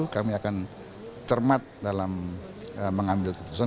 kami akan cermat dalam mengambil keputusan